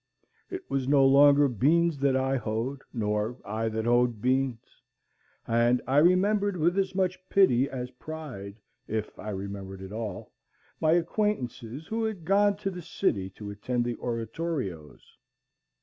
It was no longer beans that I hoed, nor I that hoed beans; and I remembered with as much pity as pride, if I remembered at all, my acquaintances who had gone to the city to attend the oratorios.